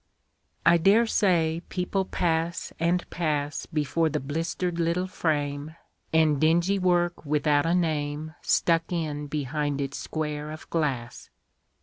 I dare say people pass and pass Before the blistered little frame, And dingy work without a name Stuck in behind its square of glass.